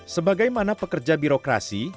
sebagai mana pekerja birokrasi